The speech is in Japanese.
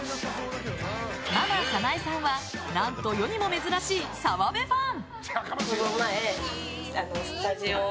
ママさなえさんは何と世にも珍しい澤部ファン！